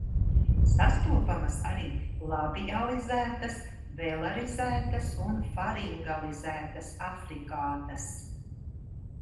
Sastopamas arī labializētas, velarizētas un faringalizētas afrikātas.